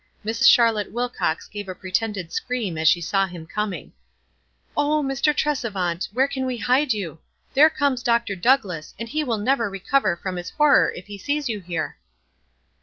Miss Charlotte^ Wilcox gave a pretended scream as she saw him coming. "O Mr. Tresevant ! where can we hide you? There comes Dr. Douglass, and he will never recover from his horror if he sees you here."